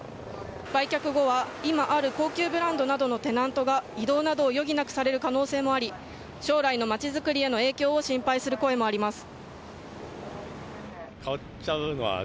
売却後は今ある高級ブランドなどのテナントが移動などを余儀なくされる可能性もあり将来のまちづくりへの影響を心配する声もあります。